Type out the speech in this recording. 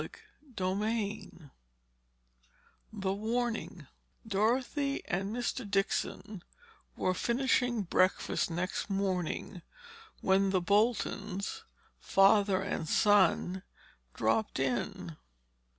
Chapter XIII THE WARNING Dorothy and Mr. Dixon were finishing breakfast next morning when the Boltons, father and son, dropped in.